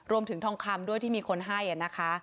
ทองคำด้วยที่มีคนให้นะคะ